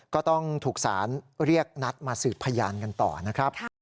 ก็ต้องถูกสารเรียกนัดมาสืบพยานกันต่อนะครับ